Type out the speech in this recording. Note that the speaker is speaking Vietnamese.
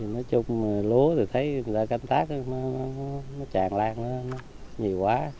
nói chung lúa thì thấy người ta canh tác nó tràn lan nó nhiều quá